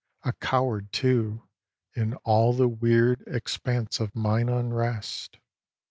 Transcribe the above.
a coward, too, In all the weird expanse of mine unrest.